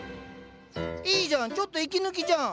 いいじゃんちょっと息抜きじゃん！